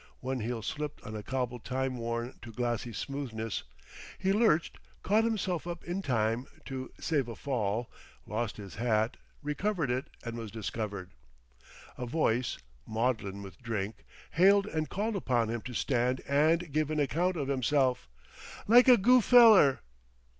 One heel slipped on a cobble time worn to glassy smoothness; he lurched, caught himself up in time to save a fall, lost his hat, recovered it, and was discovered. A voice, maudlin with drink, hailed and called upon him to stand and give an account of himself, "like a goo' feller."